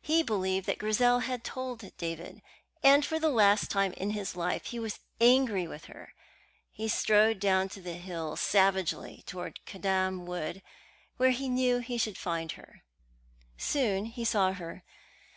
He believed that Grizel had told David, and for the last time in his life he was angry with her. He strode down the hill savagely towards Caddam Wood, where he knew he should find her. Soon he saw her.